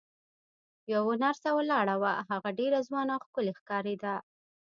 یوه نرسه ولاړه وه، هغه ډېره ځوانه او ښکلې ښکارېده.